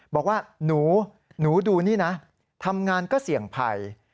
บอกว่าหนูดูนี่นะทำงานก็เสี่ยงภัย